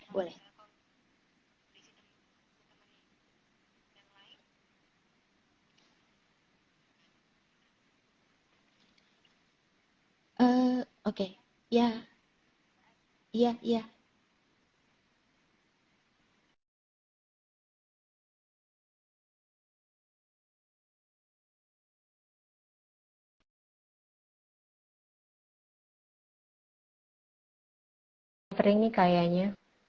covering nih kayaknya